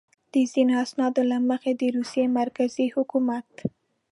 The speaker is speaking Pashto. د ځینو اسنادو له مخې د روسیې مرکزي حکومت.